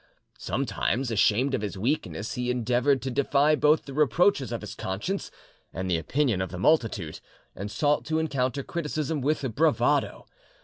Sometimes, ashamed of his weakness, he endeavoured to defy both the reproaches of his conscience and the opinion of the multitude, and sought to encounter criticism with bravado.